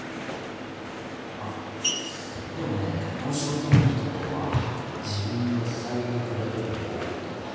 あっでもねこの仕事のいいところは自分の才覚だけでできる事。